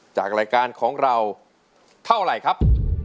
จากรายการของเราเท่าไหร่ครับ